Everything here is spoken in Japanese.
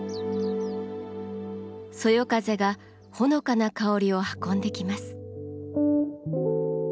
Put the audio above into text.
そよ風がほのかな香りを運んできます。